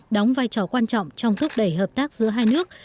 đóng vai trò quan trọng trong thúc đẩy hợp tác giữa hai nước